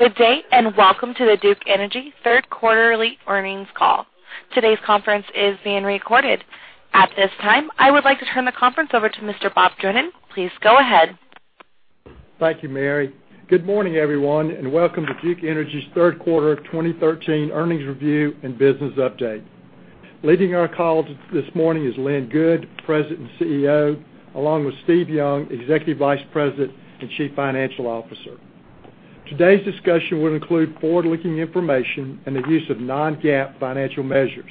Good day, and welcome to the Duke Energy third quarterly earnings call. Today's conference is being recorded. At this time, I would like to turn the conference over to Mr. Bob Drennan. Please go ahead. Thank you, Mary. Good morning, everyone, and welcome to Duke Energy's third quarter 2013 earnings review and business update. Leading our call this morning is Lynn Good, President and CEO, along with Steve Young, Executive Vice President and Chief Financial Officer. Today's discussion will include forward-looking information and the use of non-GAAP financial measures.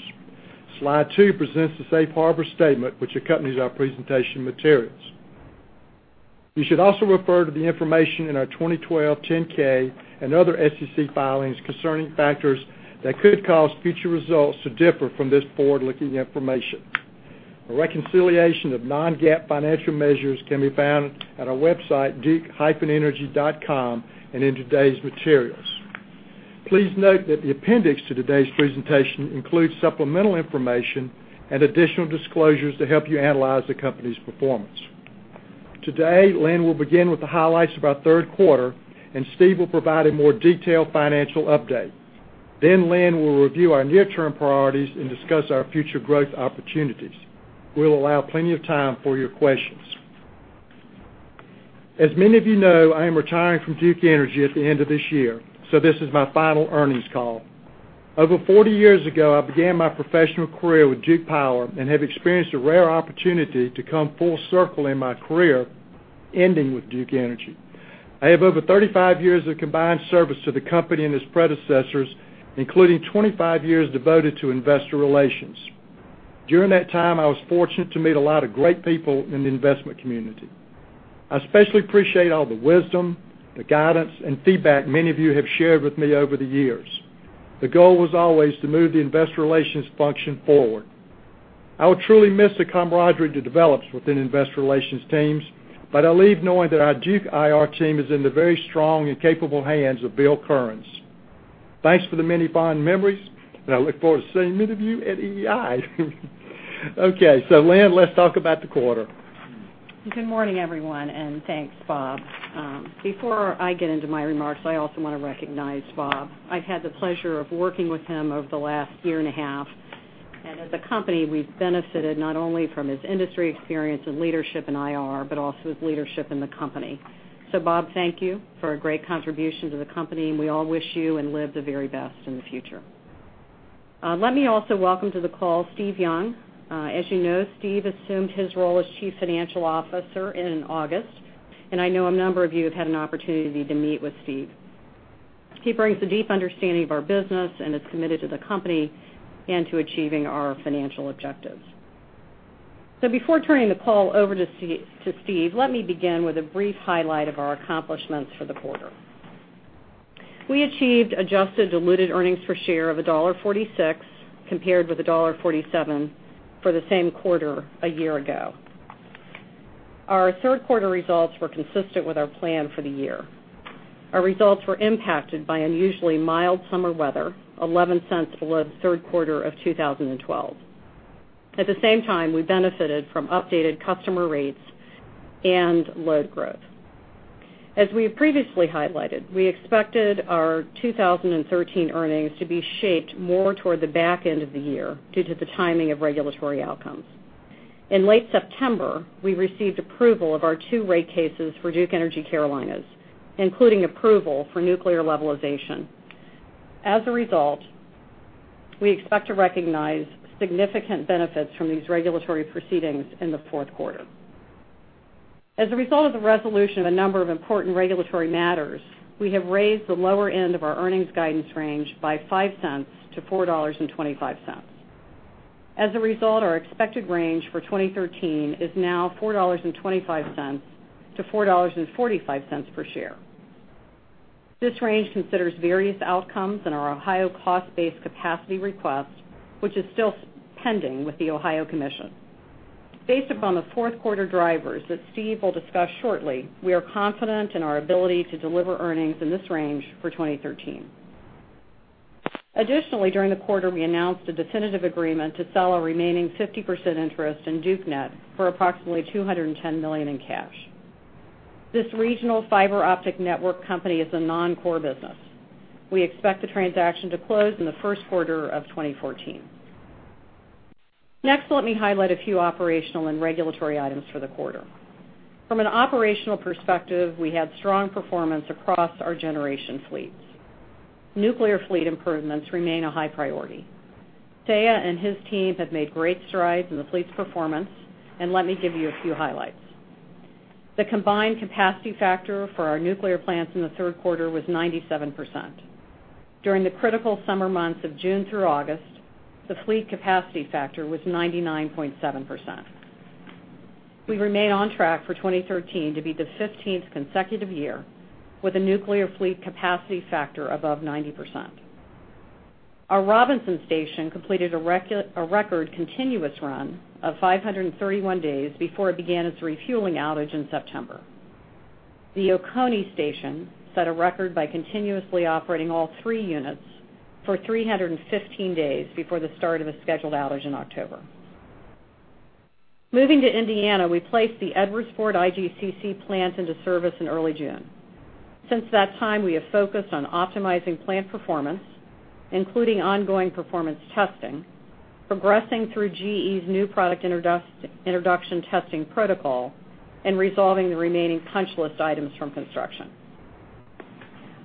Slide two presents the safe harbor statement which accompanies our presentation materials. You should also refer to the information in our 2012 10-K and other SEC filings concerning factors that could cause future results to differ from this forward-looking information. A reconciliation of non-GAAP financial measures can be found at our website, duke-energy.com, and in today's materials. Please note that the appendix to today's presentation includes supplemental information and additional disclosures to help you analyze the company's performance. Today, Lynn will begin with the highlights of our third quarter, and Steve will provide a more detailed financial update. Lynn will review our near-term priorities and discuss our future growth opportunities. We'll allow plenty of time for your questions. As many of you know, I am retiring from Duke Energy at the end of this year, so this is my final earnings call. Over 40 years ago, I began my professional career with Duke Power and have experienced a rare opportunity to come full circle in my career, ending with Duke Energy. I have over 35 years of combined service to the company and its predecessors, including 25 years devoted to investor relations. During that time, I was fortunate to meet a lot of great people in the investment community. I especially appreciate all the wisdom, the guidance, and feedback many of you have shared with me over the years. The goal was always to move the investor relations function forward. I will truly miss the camaraderie that develops within investor relations teams, but I leave knowing that our Duke IR team is in the very strong and capable hands of Bill Kearns. Thanks for the many fond memories, and I look forward to seeing many of you at EEI. Okay. Lynn, let's talk about the quarter. Good morning, everyone, thanks, Bob. Before I get into my remarks, I also want to recognize Bob. I've had the pleasure of working with him over the last year and a half. As a company, we've benefited not only from his industry experience and leadership in IR, but also his leadership in the company. Bob, thank you for a great contribution to the company, and we all wish you and Liv the very best in the future. Let me also welcome to the call Steve Young. As you know, Steve assumed his role as chief financial officer in August, and I know a number of you have had an opportunity to meet with Steve. He brings a deep understanding of our business and is committed to the company and to achieving our financial objectives. Before turning the call over to Steve, let me begin with a brief highlight of our accomplishments for the quarter. We achieved adjusted diluted earnings per share of $1.46, compared with $1.47 for the same quarter a year ago. Our third quarter results were consistent with our plan for the year. Our results were impacted by unusually mild summer weather, $0.11 below the third quarter of 2012. At the same time, we benefited from updated customer rates and load growth. As we have previously highlighted, we expected our 2013 earnings to be shaped more toward the back end of the year due to the timing of regulatory outcomes. In late September, we received approval of our two rate cases for Duke Energy Carolinas, including approval for nuclear levelization. As a result, we expect to recognize significant benefits from these regulatory proceedings in the fourth quarter. As a result of the resolution of a number of important regulatory matters, we have raised the lower end of our earnings guidance range by $0.05 to $4.25. As a result, our expected range for 2013 is now $4.25 to $4.45 per share. This range considers various outcomes in our Ohio cost-based capacity request, which is still pending with the Ohio Commission. Based upon the fourth quarter drivers that Steve will discuss shortly, we are confident in our ability to deliver earnings in this range for 2013. Additionally, during the quarter, we announced a definitive agreement to sell our remaining 50% interest in DukeNet for approximately $210 million in cash. This regional fiber optic network company is a non-core business. We expect the transaction to close in the first quarter of 2014. Next, let me highlight a few operational and regulatory items for the quarter. From an operational perspective, we had strong performance across our generation fleets. Nuclear fleet improvements remain a high priority. [Teya] and his team have made great strides in the fleet's performance, and let me give you a few highlights. The combined capacity factor for our nuclear plants in the third quarter was 97%. During the critical summer months of June through August, the fleet capacity factor was 99.7%. We remain on track for 2013 to be the 15th consecutive year with a nuclear fleet capacity factor above 90%. Our Robinson station completed a record continuous run of 531 days before it began its refueling outage in September. The Oconee station set a record by continuously operating all three units for 315 days before the start of a scheduled outage in October. Moving to Indiana, we placed the Edwardsport IGCC plant into service in early June. Since that time, we have focused on optimizing plant performance, including ongoing performance testing, progressing through GE's new product introduction testing protocol, and resolving the remaining punch list items from construction.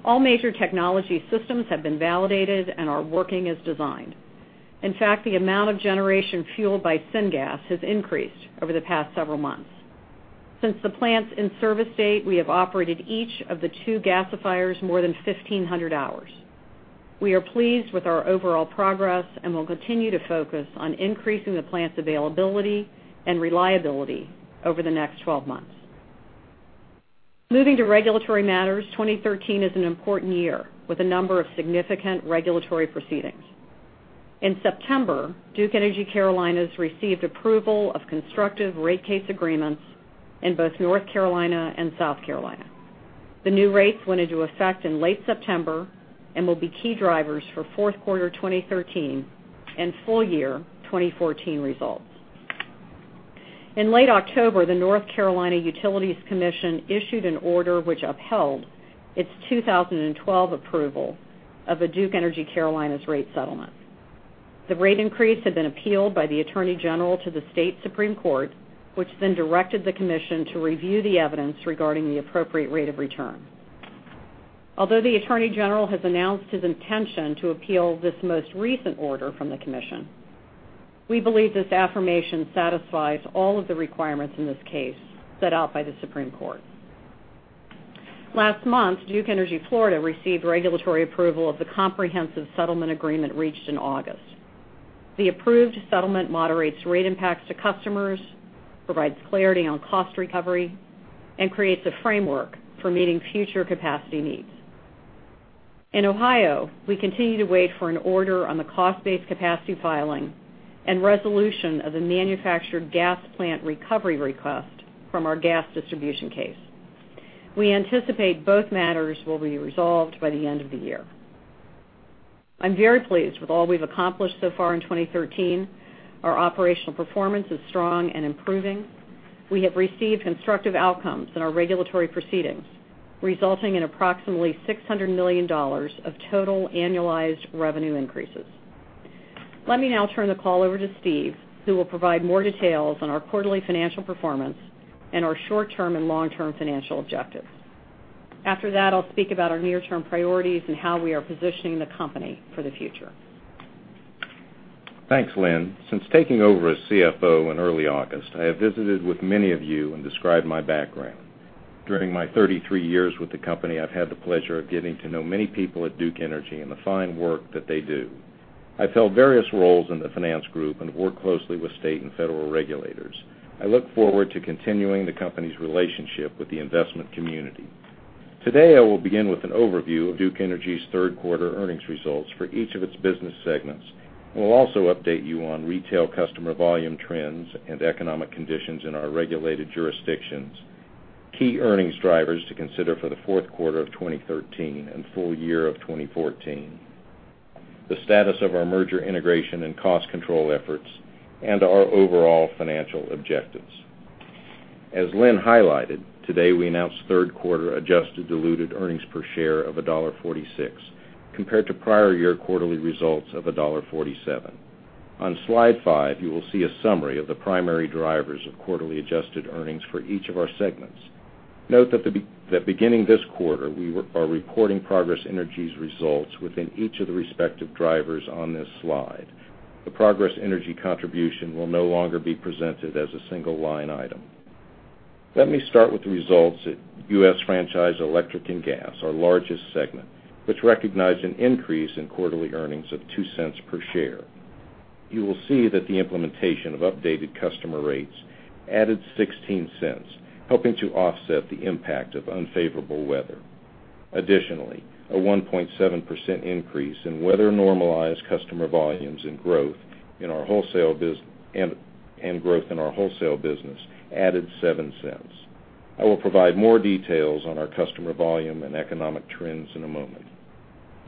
All major technology systems have been validated and are working as designed. In fact, the amount of generation fueled by syngas has increased over the past several months. Since the plant's in-service date, we have operated each of the two gasifiers more than 1,500 hours. We are pleased with our overall progress and will continue to focus on increasing the plant's availability and reliability over the next 12 months. Moving to regulatory matters, 2013 is an important year with a number of significant regulatory proceedings. In September, Duke Energy Carolinas received approval of constructive rate case agreements in both North Carolina and South Carolina. The new rates went into effect in late September and will be key drivers for fourth quarter 2013 and full year 2014 results. In late October, the North Carolina Utilities Commission issued an order which upheld its 2012 approval of a Duke Energy Carolinas rate settlement. The rate increase had been appealed by the Attorney General to the State Supreme Court, which then directed the commission to review the evidence regarding the appropriate rate of return. Although the Attorney General has announced his intention to appeal this most recent order from the commission, we believe this affirmation satisfies all of the requirements in this case set out by the Supreme Court. Last month, Duke Energy Florida received regulatory approval of the comprehensive settlement agreement reached in August. The approved settlement moderates rate impacts to customers, provides clarity on cost recovery, and creates a framework for meeting future capacity needs. In Ohio, we continue to wait for an order on the cost-based capacity filing and resolution of the manufactured gas plant recovery request from our gas distribution case. We anticipate both matters will be resolved by the end of the year. I'm very pleased with all we've accomplished so far in 2013. Our operational performance is strong and improving. We have received constructive outcomes in our regulatory proceedings, resulting in approximately $600 million of total annualized revenue increases. Let me now turn the call over to Steve, who will provide more details on our quarterly financial performance and our short-term and long-term financial objectives. After that, I'll speak about our near-term priorities and how we are positioning the company for the future. Thanks, Lynn. Since taking over as CFO in early August, I have visited with many of you and described my background. During my 33 years with the company, I've had the pleasure of getting to know many people at Duke Energy and the fine work that they do. I've held various roles in the finance group and worked closely with state and federal regulators. I look forward to continuing the company's relationship with the investment community. Today, I will begin with an overview of Duke Energy's third quarter earnings results for each of its business segments, and will also update you on retail customer volume trends and economic conditions in our regulated jurisdictions, key earnings drivers to consider for the fourth quarter of 2013 and full year of 2014, the status of our merger integration and cost control efforts, and our overall financial objectives. As Lynn highlighted, today we announced third quarter adjusted diluted earnings per share of $1.46, compared to prior year quarterly results of $1.47. On slide five, you will see a summary of the primary drivers of quarterly adjusted earnings for each of our segments. Note that beginning this quarter, we are recording Progress Energy's results within each of the respective drivers on this slide. The Progress Energy contribution will no longer be presented as a single line item. Let me start with the results at U.S. Franchised Electric and Gas, our largest segment, which recognized an increase in quarterly earnings of $0.02 per share. You will see that the implementation of updated customer rates added $0.16, helping to offset the impact of unfavorable weather. Additionally, a 1.7% increase in weather-normalized customer volumes and growth in our wholesale business added $0.07. I will provide more details on our customer volume and economic trends in a moment.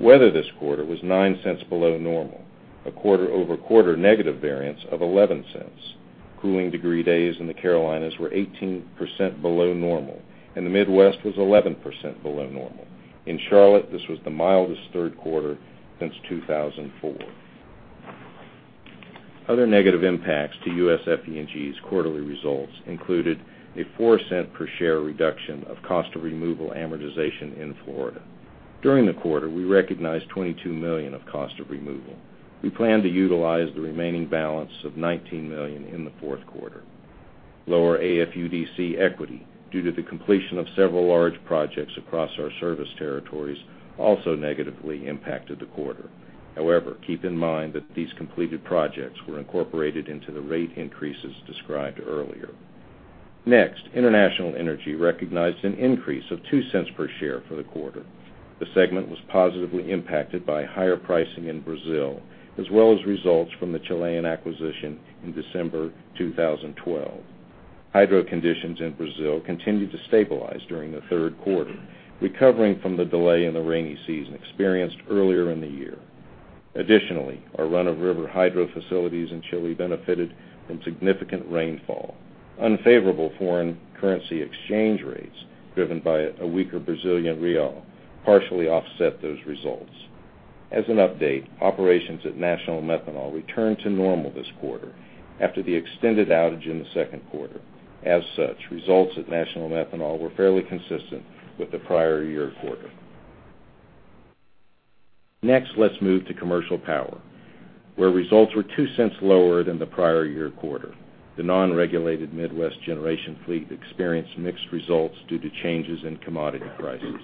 Weather this quarter was $0.09 below normal, a quarter-over-quarter negative variance of $0.11. Cooling degree days in the Carolinas were 18% below normal, and the Midwest was 11% below normal. In Charlotte, this was the mildest third quarter since 2004. Other negative impacts to U.S. FE&G's quarterly results included a $0.04 per share reduction of cost of removal amortization in Florida. During the quarter, we recognized $22 million of cost of removal. We plan to utilize the remaining balance of $19 million in the fourth quarter. Lower AFUDC equity due to the completion of several large projects across our service territories also negatively impacted the quarter. However, keep in mind that these completed projects were incorporated into the rate increases described earlier. Next, International Energy recognized an increase of $0.02 per share for the quarter. The segment was positively impacted by higher pricing in Brazil, as well as results from the Chilean acquisition in December 2012. Hydro conditions in Brazil continued to stabilize during the third quarter, recovering from the delay in the rainy season experienced earlier in the year. Additionally, our run-of-river hydro facilities in Chile benefited from significant rainfall. Unfavorable foreign currency exchange rates, driven by a weaker Brazilian real, partially offset those results. As an update, operations at National Methanol returned to normal this quarter after the extended outage in the second quarter. As such, results at National Methanol were fairly consistent with the prior year quarter. Next, let's move to commercial power, where results were $0.02 lower than the prior year quarter. The non-regulated Midwest generation fleet experienced mixed results due to changes in commodity prices.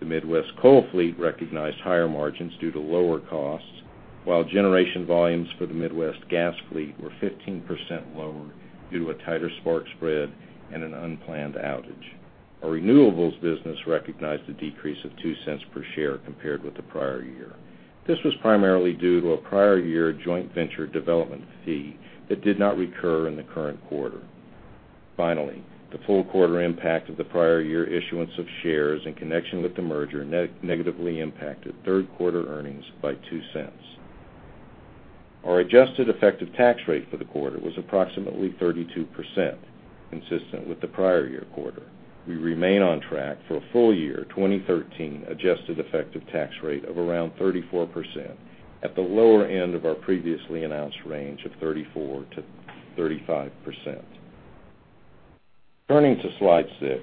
The Midwest coal fleet recognized higher margins due to lower costs, while generation volumes for the Midwest gas fleet were 15% lower due to a tighter spark spread and an unplanned outage. Our renewables business recognized a decrease of $0.02 per share compared with the prior year. This was primarily due to a prior year joint venture development fee that did not recur in the current quarter. Finally, the full quarter impact of the prior year issuance of shares in connection with the merger negatively impacted third quarter earnings by $0.02. Our adjusted effective tax rate for the quarter was approximately 32%, consistent with the prior year quarter. We remain on track for a full year 2013 adjusted effective tax rate of around 34% at the lower end of our previously announced range of 34%-35%. Turning to Slide 6,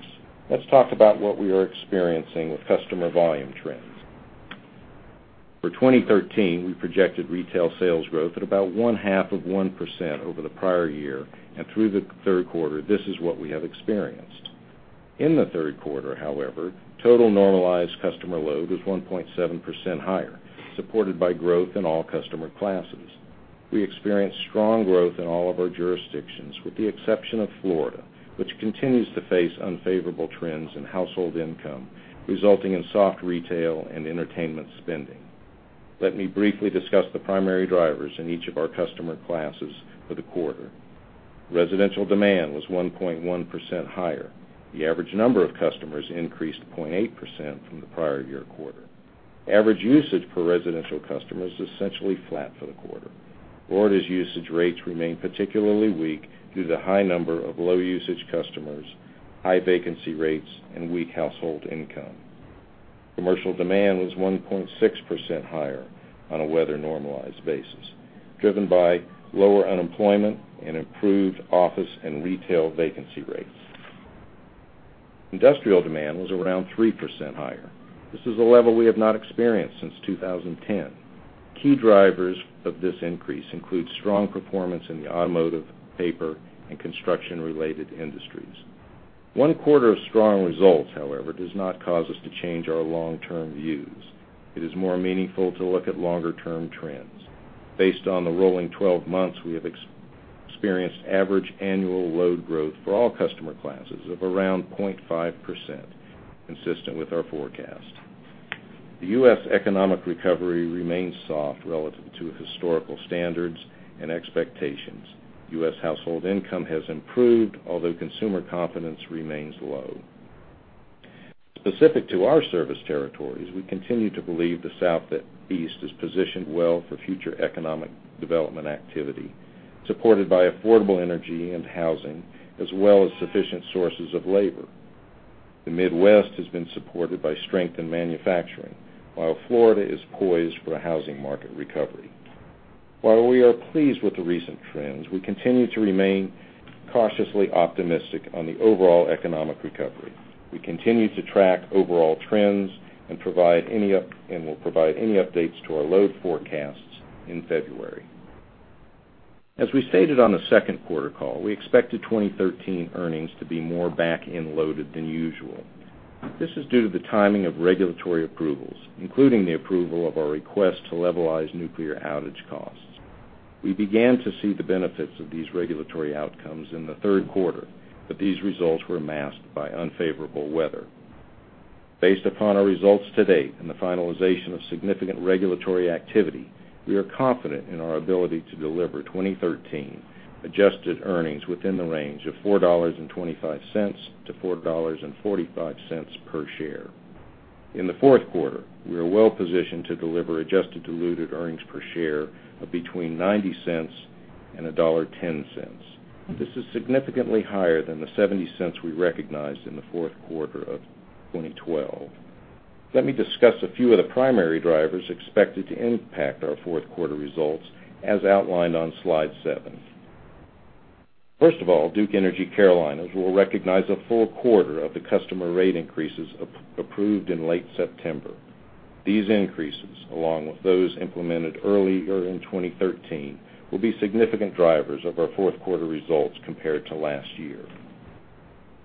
let's talk about what we are experiencing with customer volume trends. For 2013, we projected retail sales growth at about one-half of 1% over the prior year, and through the third quarter, this is what we have experienced. In the third quarter, however, total normalized customer load was 1.7% higher, supported by growth in all customer classes. We experienced strong growth in all of our jurisdictions, with the exception of Florida, which continues to face unfavorable trends in household income, resulting in soft retail and entertainment spending. Let me briefly discuss the primary drivers in each of our customer classes for the quarter. Residential demand was 1.1% higher. The average number of customers increased 0.8% from the prior year quarter. Average usage per residential customer was essentially flat for the quarter. Florida's usage rates remain particularly weak due to the high number of low-usage customers, high vacancy rates, and weak household income. Commercial demand was 1.6% higher on a weather-normalized basis, driven by lower unemployment and improved office and retail vacancy rates. Industrial demand was around 3% higher. This is a level we have not experienced since 2010. Key drivers of this increase include strong performance in the automotive, paper, and construction-related industries. One quarter of strong results, however, does not cause us to change our long-term views. It is more meaningful to look at longer-term trends. Based on the rolling 12 months, we have experienced average annual load growth for all customer classes of around 0.5%, consistent with our forecast. The U.S. economic recovery remains soft relative to historical standards and expectations. U.S. household income has improved, although consumer confidence remains low. Specific to our service territories, we continue to believe the Southeast is positioned well for future economic development activity, supported by affordable energy and housing, as well as sufficient sources of labor. The Midwest has been supported by strength in manufacturing, while Florida is poised for a housing market recovery. While we are pleased with the recent trends, we continue to remain cautiously optimistic on the overall economic recovery. We continue to track overall trends and will provide any updates to our load forecasts in February. As we stated on the second quarter call, we expected 2013 earnings to be more back-end loaded than usual. This is due to the timing of regulatory approvals, including the approval of our request to levelize nuclear outage costs. We began to see the benefits of these regulatory outcomes in the third quarter, but these results were masked by unfavorable weather. Based upon our results to date and the finalization of significant regulatory activity, we are confident in our ability to deliver 2013 adjusted earnings within the range of $4.25 to $4.45 per share. In the fourth quarter, we are well positioned to deliver adjusted diluted earnings per share of between $0.90 and $1.10. This is significantly higher than the $0.70 we recognized in the fourth quarter of 2012. Let me discuss a few of the primary drivers expected to impact our fourth quarter results as outlined on Slide 7. First of all, Duke Energy Carolinas will recognize a full quarter of the customer rate increases approved in late September. These increases, along with those implemented earlier in 2013, will be significant drivers of our fourth quarter results compared to last year.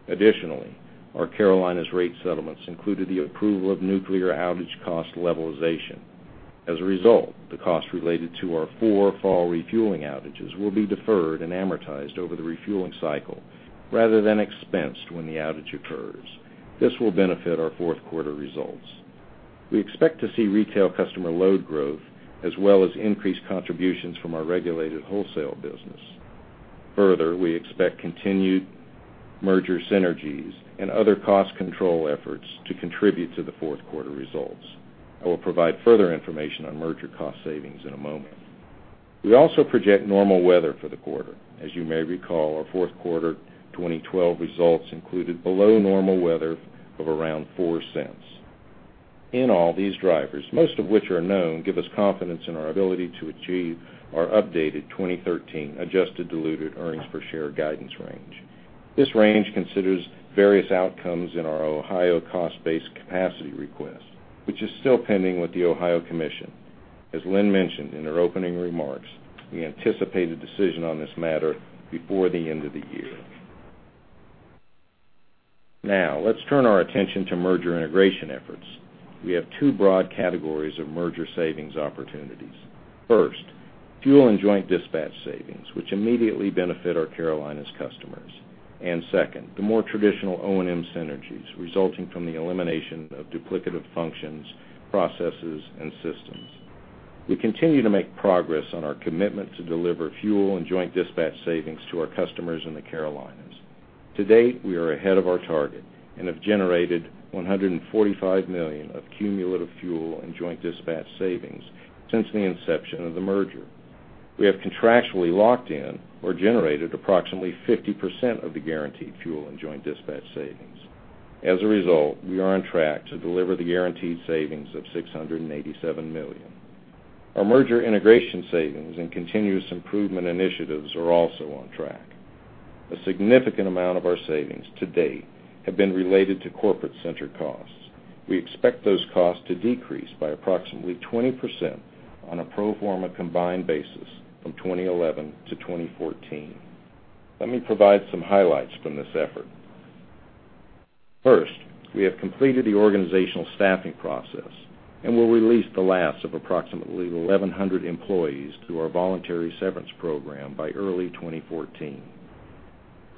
Additionally, our Carolinas rate settlements included the approval of nuclear outage cost levelization. As a result, the cost related to our four fall refueling outages will be deferred and amortized over the refueling cycle rather than expensed when the outage occurs. This will benefit our fourth quarter results. Further, we expect continued merger synergies and other cost control efforts to contribute to the fourth quarter results. I will provide further information on merger cost savings in a moment. We also project normal weather for the quarter. As you may recall, our fourth quarter 2012 results included below normal weather of around $0.04. All these drivers, most of which are known, give us confidence in our ability to achieve our updated 2013 adjusted diluted earnings per share guidance range. This range considers various outcomes in our Ohio cost-based capacity request, which is still pending with the Ohio Commission. As Lynn mentioned in her opening remarks, we anticipate a decision on this matter before the end of the year. Now, let's turn our attention to merger integration efforts. We have two broad categories of merger savings opportunities. First, fuel and joint dispatch savings, which immediately benefit our Carolinas customers. Second, the more traditional O&M synergies resulting from the elimination of duplicative functions, processes, and systems. We continue to make progress on our commitment to deliver fuel and joint dispatch savings to our customers in the Carolinas. To date, we are ahead of our target and have generated $145 million of cumulative fuel and joint dispatch savings since the inception of the merger. We have contractually locked in or generated approximately 50% of the guaranteed fuel and joint dispatch savings. As a result, we are on track to deliver the guaranteed savings of $687 million. Our merger integration savings and continuous improvement initiatives are also on track. A significant amount of our savings to date have been related to corporate center costs. We expect those costs to decrease by approximately 20% on a pro forma combined basis from 2011 to 2014. Let me provide some highlights from this effort. First, we have completed the organizational staffing process and will release the last of approximately 1,100 employees through our voluntary severance program by early 2014.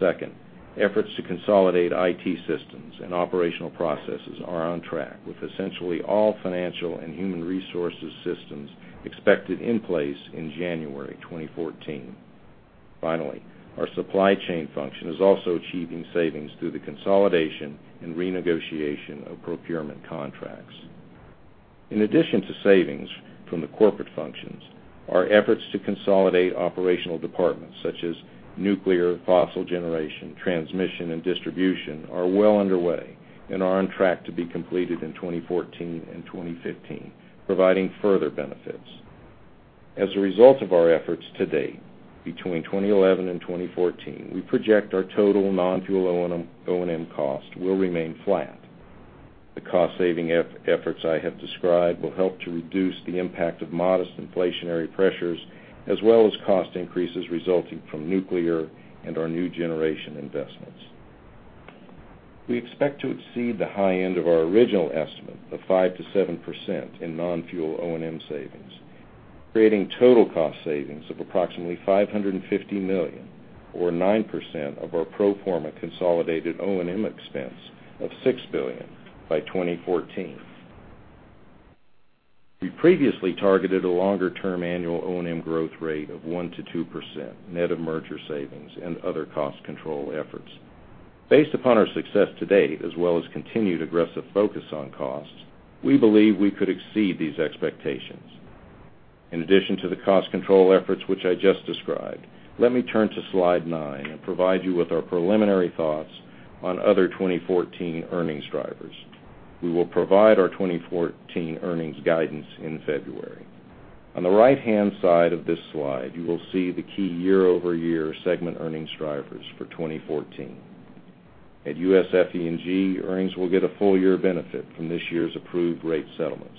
Second, efforts to consolidate IT systems and operational processes are on track with essentially all financial and human resources systems expected in place in January 2014. Finally, our supply chain function is also achieving savings through the consolidation and renegotiation of procurement contracts. In addition to savings from the corporate functions, our efforts to consolidate operational departments such as nuclear, fossil generation, transmission, and distribution are well underway and are on track to be completed in 2014 and 2015, providing further benefits. As a result of our efforts to date, between 2011 and 2014, we project our total non-fuel O&M cost will remain flat. The cost-saving efforts I have described will help to reduce the impact of modest inflationary pressures, as well as cost increases resulting from nuclear and our new generation investments. We expect to exceed the high end of our original estimate of 5%-7% in non-fuel O&M savings, creating total cost savings of approximately $550 million or 9% of our pro forma consolidated O&M expense of $6 billion by 2014. We previously targeted a longer-term annual O&M growth rate of 1%-2% net of merger savings and other cost control efforts. Based upon our success to date as well as continued aggressive focus on costs, we believe we could exceed these expectations. In addition to the cost control efforts which I just described, let me turn to slide nine and provide you with our preliminary thoughts on other 2014 earnings drivers. We will provide our 2014 earnings guidance in February. On the right-hand side of this slide, you will see the key year-over-year segment earnings drivers for 2014. At U.S. FE&G, earnings will get a full year benefit from this year's approved rate settlements.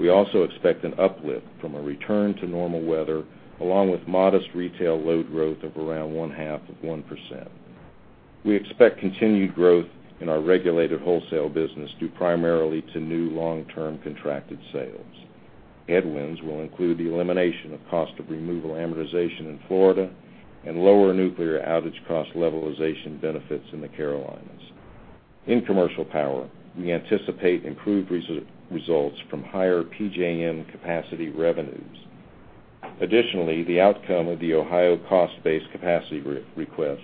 We also expect an uplift from a return to normal weather, along with modest retail load growth of around one-half of 1%. We expect continued growth in our regulated wholesale business due primarily to new long-term contracted sales. Headwinds will include the elimination of cost of removal amortization in Florida and lower nuclear outage cost levelization benefits in the Carolinas. In commercial power, we anticipate improved results from higher PJM capacity revenues. Additionally, the outcome of the Ohio cost-based capacity request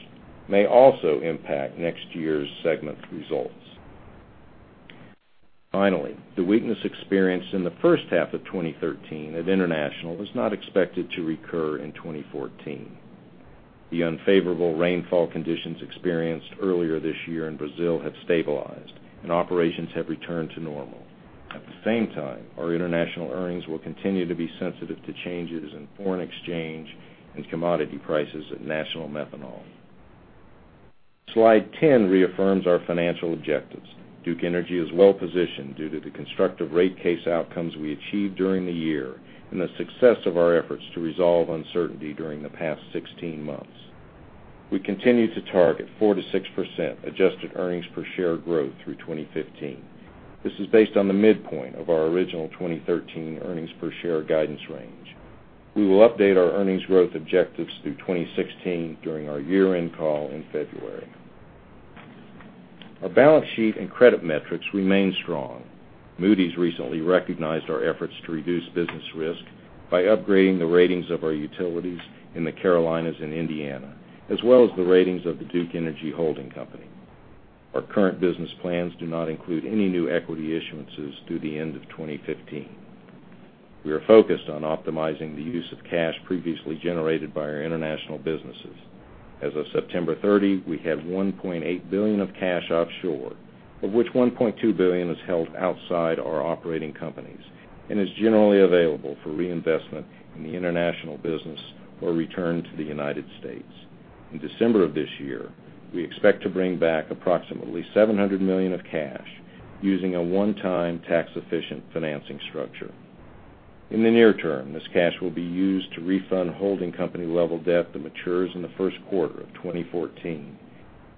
may also impact next year's segment results. Finally, the weakness experienced in the first half of 2013 at International is not expected to recur in 2014. The unfavorable rainfall conditions experienced earlier this year in Brazil have stabilized, and operations have returned to normal. At the same time, our international earnings will continue to be sensitive to changes in foreign exchange and commodity prices at National Methanol. Slide 10 reaffirms our financial objectives. Duke Energy is well-positioned due to the constructive rate case outcomes we achieved during the year and the success of our efforts to resolve uncertainty during the past 16 months. We continue to target 4%-6% adjusted earnings per share growth through 2015. This is based on the midpoint of our original 2013 earnings per share guidance range. We will update our earnings growth objectives through 2016 during our year-end call in February. Our balance sheet and credit metrics remain strong. Moody's recently recognized our efforts to reduce business risk by upgrading the ratings of our utilities in the Carolinas and Indiana, as well as the ratings of the Duke Energy holding company. Our current business plans do not include any new equity issuances through the end of 2015. We are focused on optimizing the use of cash previously generated by our international businesses. As of September 30, we have $1.8 billion of cash offshore, of which $1.2 billion is held outside our operating companies and is generally available for reinvestment in the international business or return to the U.S. In December of this year, we expect to bring back approximately $700 million of cash using a one-time tax-efficient financing structure. In the near term, this cash will be used to refund holding company level debt that matures in the first quarter of 2014.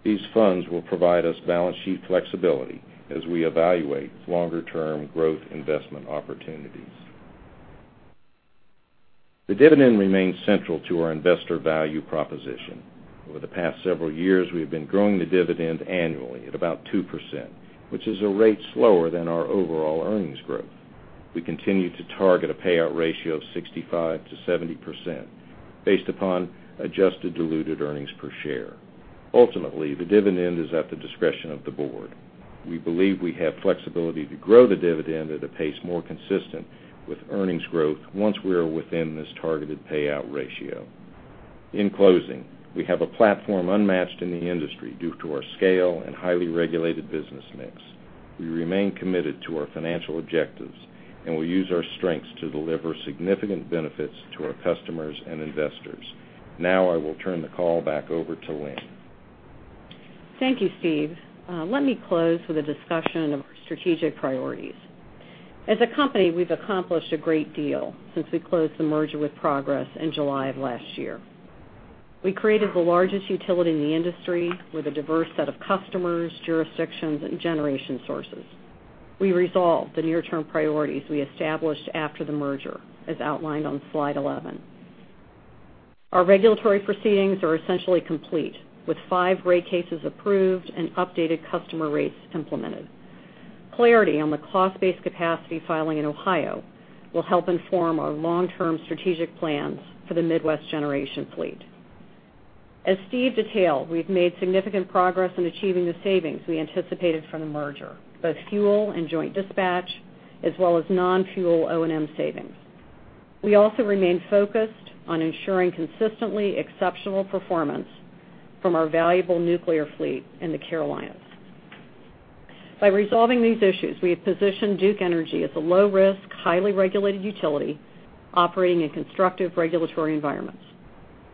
These funds will provide us balance sheet flexibility as we evaluate longer-term growth investment opportunities. The dividend remains central to our investor value proposition. Over the past several years, we have been growing the dividend annually at about 2%, which is a rate slower than our overall earnings growth. We continue to target a payout ratio of 65%-70% based upon adjusted diluted earnings per share. Ultimately, the dividend is at the discretion of the board. We believe we have flexibility to grow the dividend at a pace more consistent with earnings growth once we are within this targeted payout ratio. In closing, we have a platform unmatched in the industry due to our scale and highly regulated business mix. We remain committed to our financial objectives and will use our strengths to deliver significant benefits to our customers and investors. Now I will turn the call back over to Lynn. Thank you, Steve. Let me close with a discussion of our strategic priorities. As a company, we've accomplished a great deal since we closed the merger with Progress in July of last year. We created the largest utility in the industry with a diverse set of customers, jurisdictions, and generation sources. We resolved the near-term priorities we established after the merger, as outlined on slide 11. Our regulatory proceedings are essentially complete, with five rate cases approved and updated customer rates implemented. Clarity on the cost-based capacity filing in Ohio will help inform our long-term strategic plans for the Midwest generation fleet. As Steve detailed, we've made significant progress in achieving the savings we anticipated from the merger, both fuel and joint dispatch, as well as non-fuel O&M savings. We also remain focused on ensuring consistently exceptional performance from our valuable nuclear fleet in the Carolinas. By resolving these issues, we have positioned Duke Energy as a low-risk, highly regulated utility operating in constructive regulatory environments.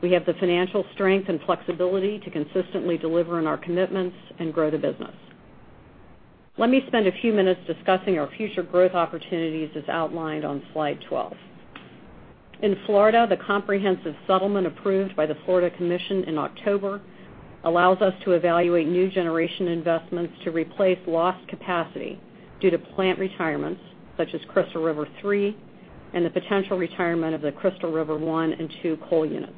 We have the financial strength and flexibility to consistently deliver on our commitments and grow the business. Let me spend a few minutes discussing our future growth opportunities as outlined on slide 12. In Florida, the comprehensive settlement approved by the Florida Commission in October allows us to evaluate new generation investments to replace lost capacity due to plant retirements, such as Crystal River 3 and the potential retirement of the Crystal River 1 and 2 coal units.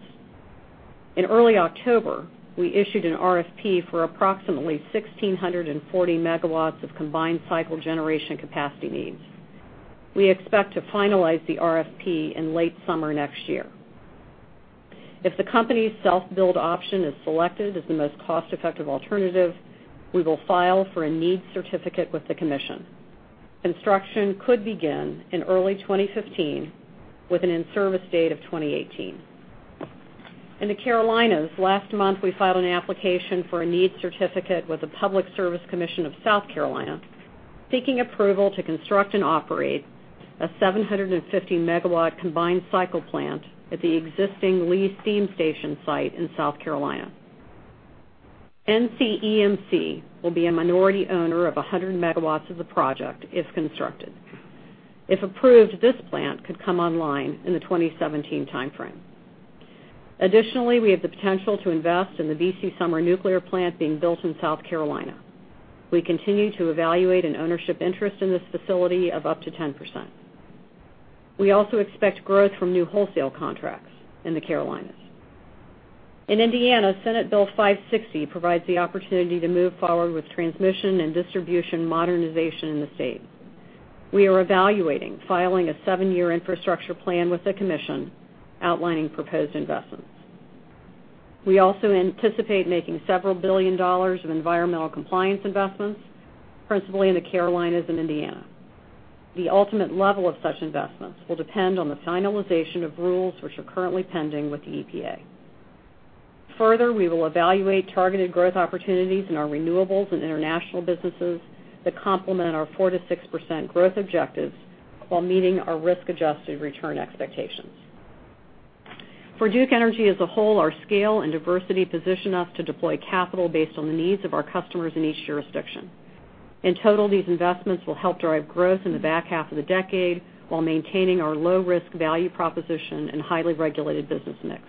In early October, we issued an RFP for approximately 1,640 megawatts of combined cycle generation capacity needs. We expect to finalize the RFP in late summer next year. If the company's self-build option is selected as the most cost-effective alternative, we will file for a needs certificate with the commission. Construction could begin in early 2015 with an in-service date of 2018. In the Carolinas, last month, we filed an application for a needs certificate with the Public Service Commission of South Carolina, seeking approval to construct and operate a 750-megawatt combined cycle plant at the existing Lee Steam Station site in South Carolina. NCEMC will be a minority owner of 100 megawatts of the project if constructed. If approved, this plant could come online in the 2017 timeframe. Additionally, we have the potential to invest in the V.C. Summer nuclear plant being built in South Carolina. We continue to evaluate an ownership interest in this facility of up to 10%. We also expect growth from new wholesale contracts in the Carolinas. In Indiana, Senate Bill 560 provides the opportunity to move forward with transmission and distribution modernization in the state. We are evaluating filing a seven-year infrastructure plan with the commission outlining proposed investments. We also anticipate making several billion dollars of environmental compliance investments, principally in the Carolinas and Indiana. The ultimate level of such investments will depend on the finalization of rules which are currently pending with the EPA. Further, we will evaluate targeted growth opportunities in our renewables and international businesses that complement our 4%-6% growth objectives while meeting our risk-adjusted return expectations. For Duke Energy as a whole, our scale and diversity position us to deploy capital based on the needs of our customers in each jurisdiction. In total, these investments will help drive growth in the back half of the decade while maintaining our low-risk value proposition and highly regulated business mix.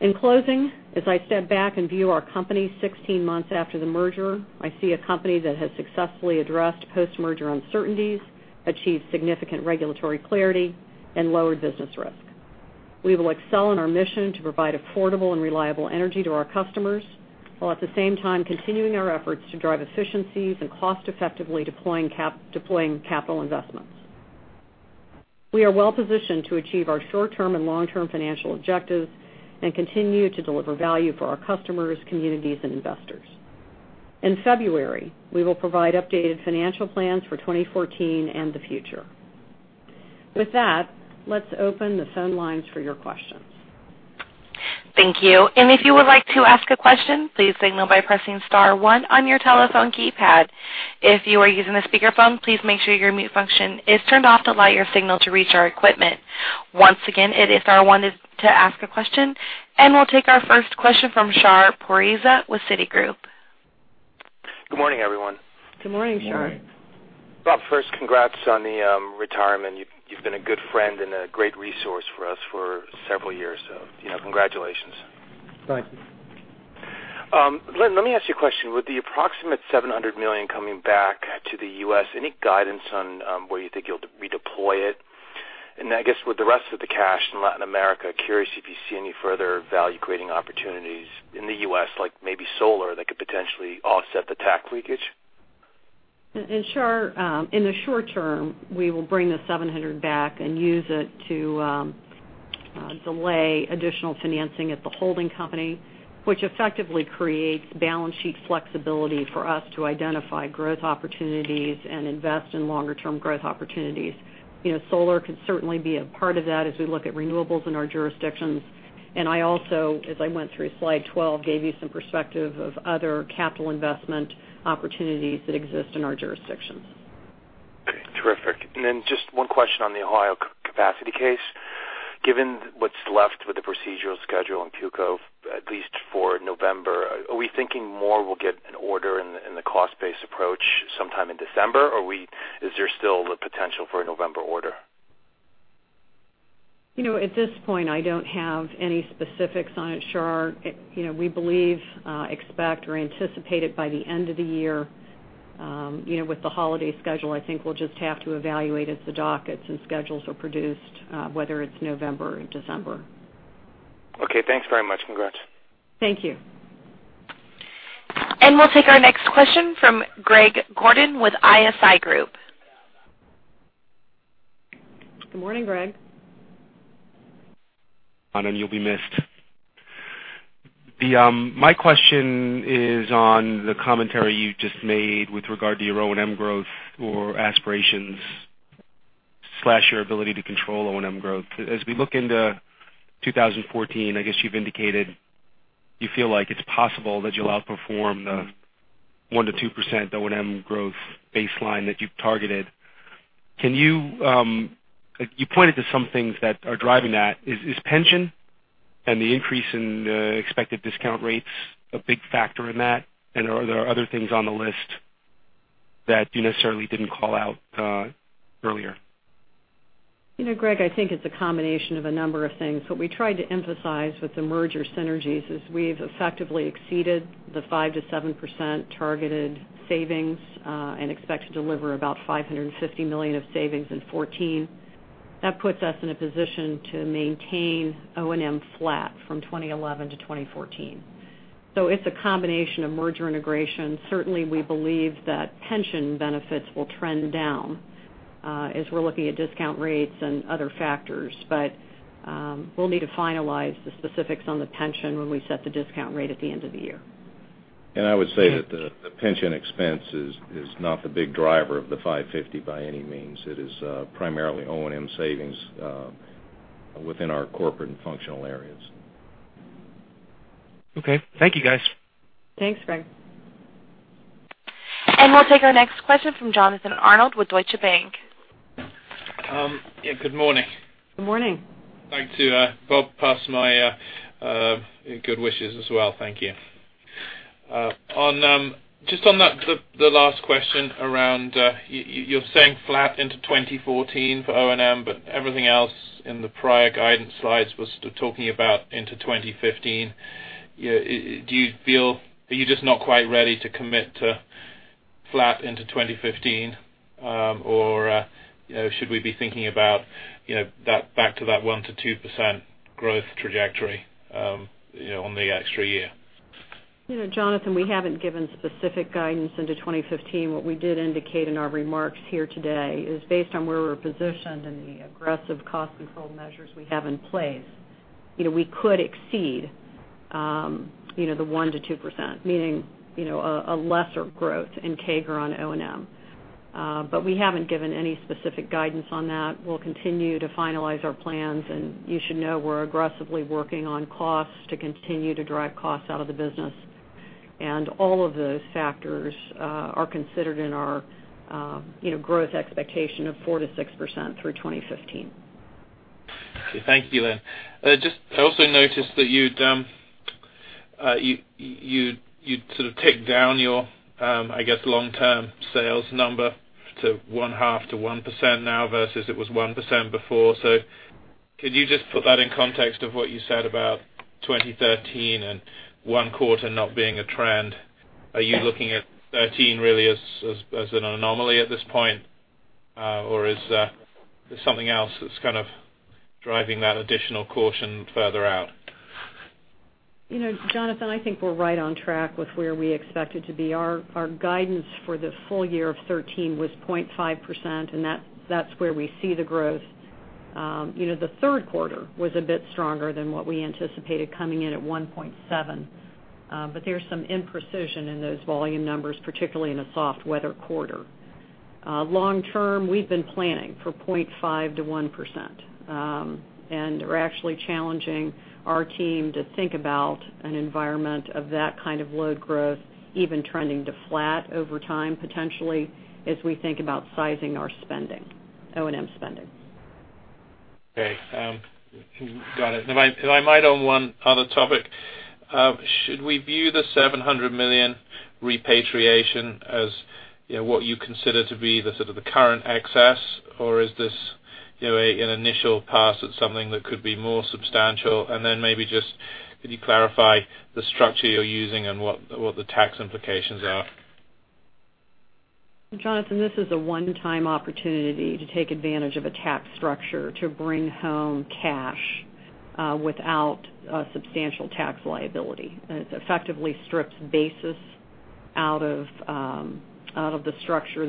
In closing, as I step back and view our company 16 months after the merger, I see a company that has successfully addressed post-merger uncertainties, achieved significant regulatory clarity, and lowered business risk. We will excel in our mission to provide affordable and reliable energy to our customers, while at the same time continuing our efforts to drive efficiencies and cost effectively deploying capital investments. We are well-positioned to achieve our short-term and long-term financial objectives and continue to deliver value for our customers, communities, and investors. In February, we will provide updated financial plans for 2014 and the future. With that, let's open the phone lines for your questions. Thank you. If you would like to ask a question, please signal by pressing star one on your telephone keypad. If you are using a speakerphone, please make sure your mute function is turned off to allow your signal to reach our equipment. Once again, it is star one is to ask a question, and we'll take our first question from Shar Pourreza with Citigroup. Good morning, everyone. Good morning, Shar. Good morning. Bob, first, congrats on the retirement. You've been a good friend and a great resource for us for several years, congratulations. Thank you. Lynn, let me ask you a question. With the approximate $700 million coming back to the U.S., any guidance on where you think you'll redeploy it? I guess with the rest of the cash in Latin America, curious if you see any further value-creating opportunities in the U.S., like maybe solar, that could potentially offset the tax leakage. Shar, in the short term, we will bring the $700 back and use it to delay additional financing at the holding company, which effectively creates balance sheet flexibility for us to identify growth opportunities and invest in longer-term growth opportunities. Solar could certainly be a part of that as we look at renewables in our jurisdictions. I also, as I went through slide 12, gave you some perspective of other capital investment opportunities that exist in our jurisdictions. Okay, terrific. Just one question on the Ohio capacity case. Given what's left with the procedural schedule in PUCO, at least for November, are we thinking more we'll get an order in the cost-based approach sometime in December? Or is there still the potential for a November order? At this point, I don't have any specifics on it, Shar. We believe, expect, or anticipate it by the end of the year. With the holiday schedule, I think we'll just have to evaluate as the dockets and schedules are produced, whether it's November or December. Okay, thanks very much. Congrats. Thank you. We'll take our next question from Greg Gordon with ISI Group. Good morning, Greg. You'll be missed. My question is on the commentary you just made with regard to your O&M growth or aspirations/your ability to control O&M growth. As we look into 2014, I guess you've indicated you feel like it's possible that you'll outperform the 1%-2% O&M growth baseline that you've targeted. You pointed to some things that are driving that. Is pension and the increase in expected discount rates a big factor in that? Are there other things on the list that you necessarily didn't call out earlier? Greg, I think it's a combination of a number of things. What we tried to emphasize with the merger synergies is we've effectively exceeded the 5%-7% targeted savings, and expect to deliver about $550 million of savings in 2014. That puts us in a position to maintain O&M flat from 2011 to 2014. It's a combination of merger integration. Certainly, we believe that pension benefits will trend down as we're looking at discount rates and other factors. We'll need to finalize the specifics on the pension when we set the discount rate at the end of the year. I would say that the pension expense is not the big driver of the $550 by any means. It is primarily O&M savings within our corporate and functional areas. Okay. Thank you, guys. Thanks, Greg. We'll take our next question from Jonathan Arnold with Deutsche Bank. Yeah, good morning. Good morning. I'd like to, Bob, pass my good wishes as well. Thank you. Just on the last question around, you're saying flat into 2014 for O&M, but everything else in the prior guidance slides was talking about into 2015. Are you just not quite ready to commit to flat into 2015? Should we be thinking about back to that 1%-2% growth trajectory on the extra year? Jonathan, we haven't given specific guidance into 2015. What we did indicate in our remarks here today is based on where we're positioned and the aggressive cost control measures we have in place. We could exceed the 1%-2%, meaning, a lesser growth in CAGR on O&M. We haven't given any specific guidance on that. We'll continue to finalize our plans, you should know we're aggressively working on costs to continue to drive costs out of the business. All of those factors are considered in our growth expectation of 4%-6% through 2015. Okay. Thank you, Lynn. I also noticed that you'd sort of take down your, I guess, long-term sales number to 0.5%-1% now versus it was 1% before. Could you just put that in context of what you said about 2013 and one quarter not being a trend? Are you looking at '13 really as an anomaly at this point? Is there something else that's driving that additional caution further out? Jonathan, I think we're right on track with where we expected to be. Our guidance for the full year of 2013 was 0.5%, and that's where we see the growth. The third quarter was a bit stronger than what we anticipated coming in at 1.7%. There's some imprecision in those volume numbers, particularly in a soft weather quarter. Long term, we've been planning for 0.5%-1%. We're actually challenging our team to think about an environment of that kind of load growth, even trending to flat over time potentially, as we think about sizing our spending, O&M spending. Okay. Got it. If I might on one other topic, should we view the $700 million repatriation as what you consider to be the sort of the current excess, or is this an initial pass at something that could be more substantial? Maybe just could you clarify the structure you're using and what the tax implications are? Jonathan, this is a one-time opportunity to take advantage of a tax structure to bring home cash without a substantial tax liability. It effectively strips basis out of the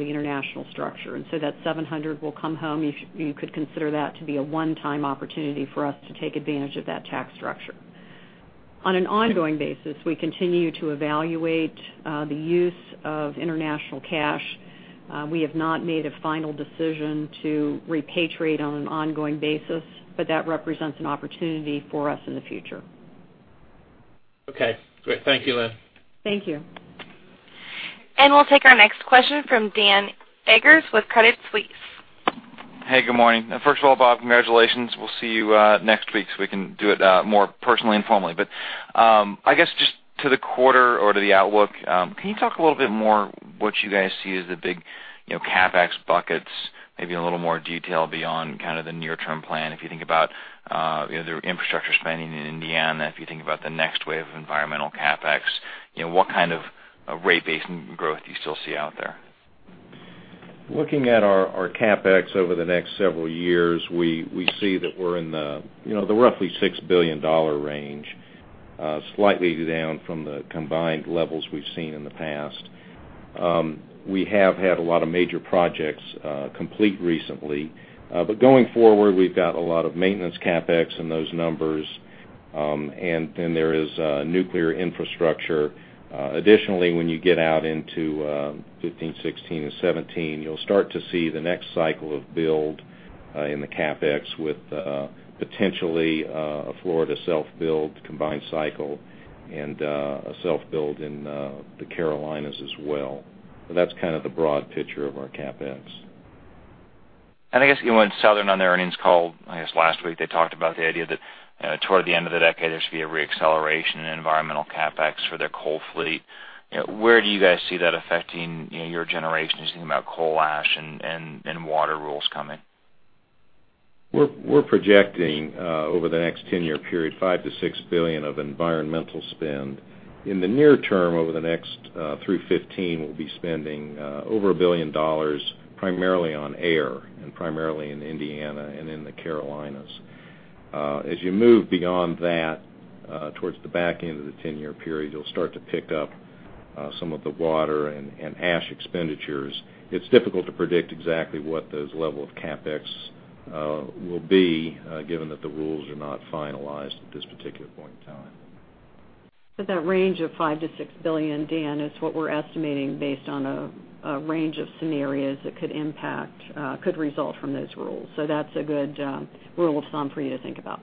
international structure. That $700 will come home. You could consider that to be a one-time opportunity for us to take advantage of that tax structure. On an ongoing basis, we continue to evaluate the use of international cash. We have not made a final decision to repatriate on an ongoing basis, that represents an opportunity for us in the future. Okay, great. Thank you, Lynn. Thank you. We'll take our next question from Dan Eggers with Credit Suisse. Hey, good morning. First of all, Bob, congratulations. We'll see you next week so we can do it more personally, informally. I guess just to the quarter or to the outlook, can you talk a little bit more what you guys see as the big CapEx buckets, maybe in a little more detail beyond the near-term plan? If you think about the infrastructure spending in Indiana, if you think about the next wave of environmental CapEx, what kind of rate base growth do you still see out there? Looking at our CapEx over the next several years, we see that we're in the roughly $6 billion range, slightly down from the combined levels we've seen in the past. We have had a lot of major projects complete recently. Going forward, we've got a lot of maintenance CapEx in those numbers. Then there is nuclear infrastructure. Additionally, when you get out into 2015, 2016, and 2017, you'll start to see the next cycle of build in the CapEx with potentially a Florida self-build combined cycle and a self-build in the Carolinas as well. That's the broad picture of our CapEx. I guess when Southern on their earnings call, I guess last week, they talked about the idea that toward the end of the decade, there should be a re-acceleration in environmental CapEx for their coal fleet. Where do you guys see that affecting your generation as you think about coal ash and water rules coming? We're projecting over the next 10-year period, $5 billion-$6 billion of environmental spend. In the near term, over the next through 2015, we'll be spending over $1 billion primarily on air and primarily in Indiana and in the Carolinas. As you move beyond that towards the back end of the 10-year period, you'll start to pick up some of the water and ash expenditures. It's difficult to predict exactly what those level of CapEx will be, given that the rules are not finalized at this particular point in time. That range of $5 billion-$6 billion, Dan, is what we're estimating based on a range of scenarios that could result from those rules. That's a good rule of thumb for you to think about.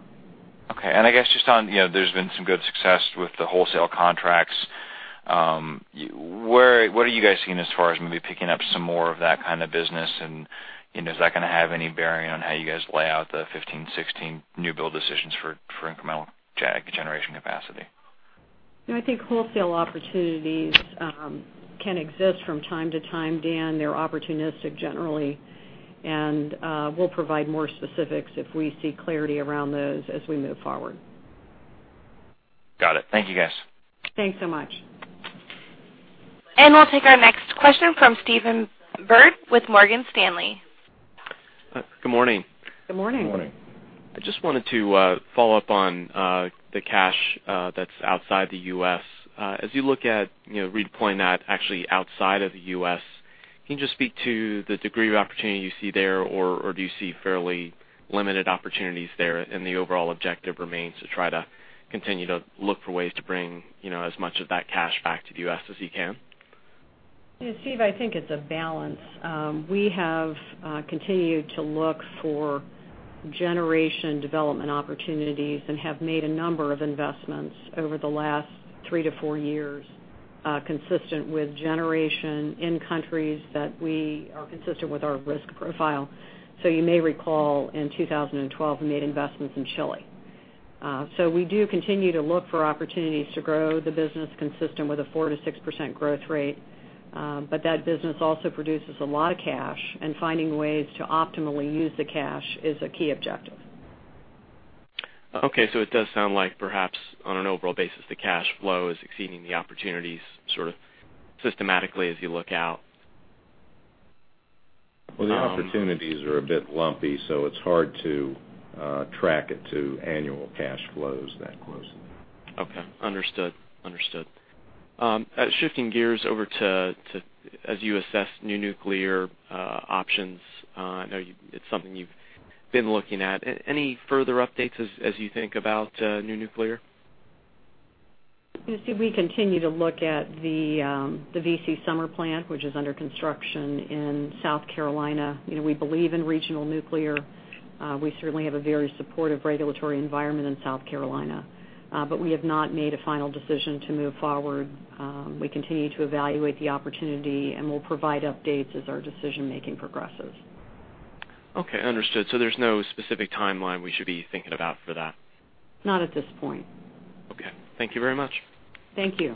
Okay. I guess just on, there's been some good success with the wholesale contracts. What are you guys seeing as far as maybe picking up some more of that kind of business, and is that going to have any bearing on how you guys lay out the 2015, 2016 new build decisions for incremental generation capacity? I think wholesale opportunities can exist from time to time, Dan. They're opportunistic generally. We'll provide more specifics if we see clarity around those as we move forward. Got it. Thank you, guys. Thanks so much. We'll take our next question from Stephen Byrd with Morgan Stanley. Good morning. Good morning. Good morning. I just wanted to follow up on the cash that's outside the U.S. As you look at redeploying that actually outside of the U.S., can you just speak to the degree of opportunity you see there, or do you see fairly limited opportunities there, and the overall objective remains to try to continue to look for ways to bring as much of that cash back to the U.S. as you can? Steve, I think it's a balance. We have continued to look for generation development opportunities and have made a number of investments over the last 3-4 years consistent with generation in countries that are consistent with our risk profile. You may recall in 2012, we made investments in Chile. We do continue to look for opportunities to grow the business consistent with a 4%-6% growth rate. That business also produces a lot of cash, and finding ways to optimally use the cash is a key objective. Okay, it does sound like perhaps on an overall basis, the cash flow is exceeding the opportunities sort of systematically as you look out. Well, the opportunities are a bit lumpy, it's hard to track it to annual cash flows that closely. Okay. Understood. Shifting gears over to as you assess new nuclear options, I know it's something you've been looking at. Any further updates as you think about new nuclear? We continue to look at the V.C. Summer plant, which is under construction in South Carolina. We believe in regional nuclear. We certainly have a very supportive regulatory environment in South Carolina, we have not made a final decision to move forward. We continue to evaluate the opportunity, we'll provide updates as our decision-making progresses. Okay, understood. There's no specific timeline we should be thinking about for that? Not at this point. Okay. Thank you very much. Thank you.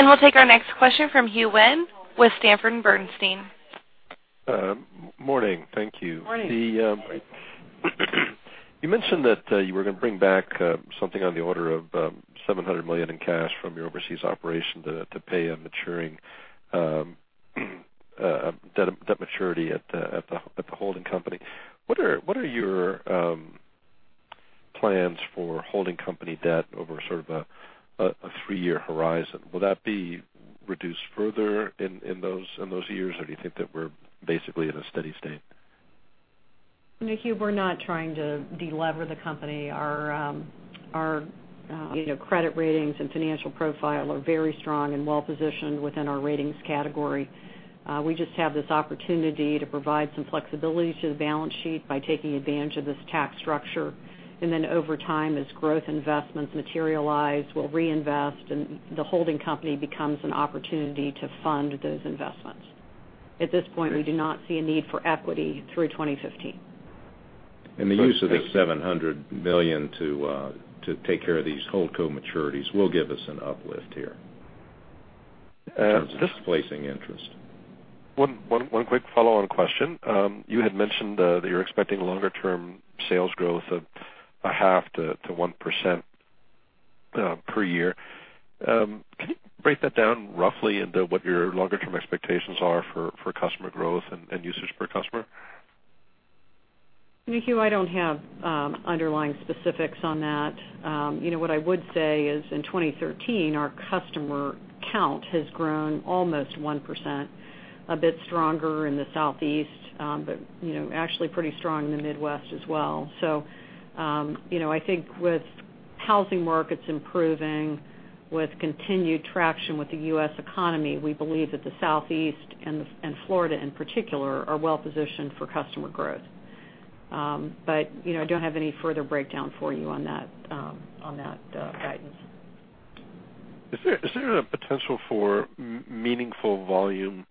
We'll take our next question from Hugh Wynne with Sanford Bernstein. Morning. Thank you. Morning. You mentioned that you were going to bring back something on the order of $700 million in cash from your overseas operation to pay a debt maturity at the holding company. What are your plans for holding company debt over sort of a 3-year horizon? Will that be reduced further in those years, or do you think that we're basically in a steady state? No, Hugh, we're not trying to delever the company. Our credit ratings and financial profile are very strong and well-positioned within our ratings category. We just have this opportunity to provide some flexibility to the balance sheet by taking advantage of this tax structure. Then over time, as growth investments materialize, we'll reinvest, and the holding company becomes an opportunity to fund those investments. At this point, we do not see a need for equity through 2015. The use of the $700 million to take care of these holdco maturities will give us an uplift here in terms of displacing interest. One quick follow-on question. You had mentioned that you're expecting longer-term sales growth of a half to 1% per year. Can you break that down roughly into what your longer-term expectations are for customer growth and usage per customer? Hugh, I don't have underlying specifics on that. What I would say is in 2013, our customer count has grown almost 1%, a bit stronger in the Southeast, but actually pretty strong in the Midwest as well. I think with housing markets improving, with continued traction with the U.S. economy, we believe that the Southeast and Florida in particular, are well-positioned for customer growth. I don't have any further breakdown for you on that guidance. Is there a potential for meaningful volume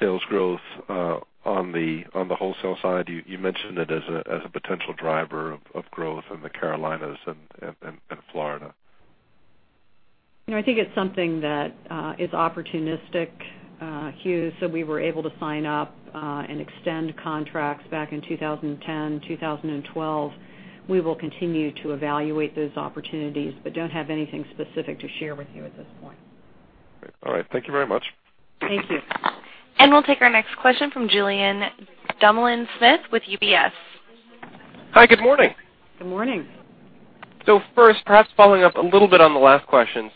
sales growth on the wholesale side? You mentioned it as a potential driver of growth in the Carolinas and Florida. I think it's something that is opportunistic, Hugh. We were able to sign up and extend contracts back in 2010, 2012. We will continue to evaluate those opportunities, but don't have anything specific to share with you at this point. Great. All right. Thank you very much. Thank you. We'll take our next question from Julien Dumoulin-Smith with UBS. Hi, good morning. Good morning. First, perhaps following up a little bit on the last questions.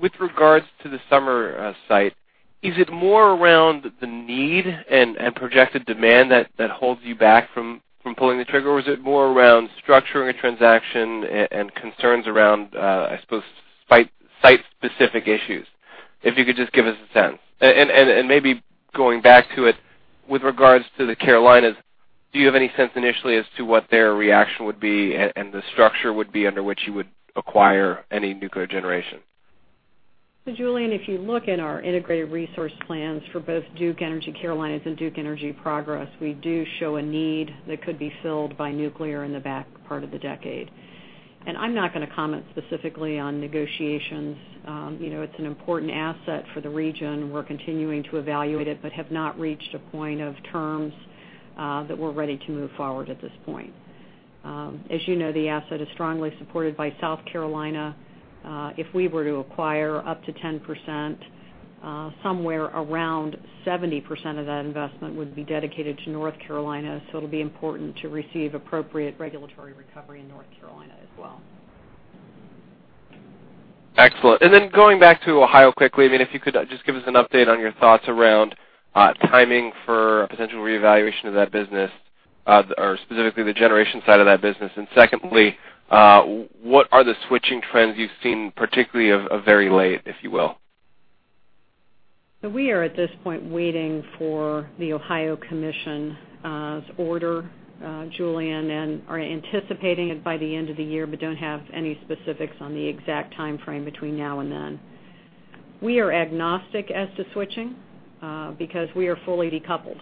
With regards to the Summer site, is it more around the need and projected demand that holds you back from pulling the trigger? Or is it more around structuring a transaction and concerns around, I suppose, site-specific issues? If you could just give us a sense. And maybe going back to it with regards to the Carolinas, do you have any sense initially as to what their reaction would be and the structure would be under which you would acquire any nuclear generation? Julien, if you look in our integrated resource plans for both Duke Energy Carolinas and Duke Energy Progress, we do show a need that could be filled by nuclear in the back part of the decade. I'm not going to comment specifically on negotiations. It's an important asset for the region. We're continuing to evaluate it but have not reached a point of terms that we're ready to move forward at this point. As you know, the asset is strongly supported by South Carolina. If we were to acquire up to 10%, somewhere around 70% of that investment would be dedicated to North Carolina, so it'll be important to receive appropriate regulatory recovery in North Carolina as well. Excellent. Going back to Ohio quickly, if you could just give us an update on your thoughts around timing for a potential reevaluation of that business or specifically the generation side of that business. Secondly, what are the switching trends you've seen, particularly of very late, if you will? We are, at this point, waiting for the Ohio Commission's order, Julien, are anticipating it by the end of the year, don't have any specifics on the exact timeframe between now and then. We are agnostic as to switching because we are fully decoupled.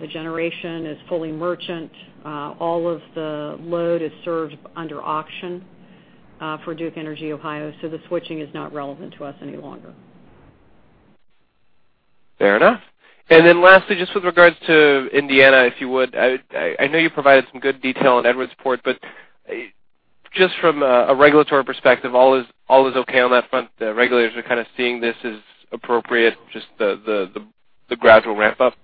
The generation is fully merchant. All of the load is served under auction for Duke Energy Ohio, so the switching is not relevant to us any longer. Fair enough. Lastly, just with regards to Indiana, if you would, I know you provided some good detail on Edwardsport, just from a regulatory perspective, all is okay on that front? The regulators are kind of seeing this as appropriate, just the gradual ramp-up? Yeah.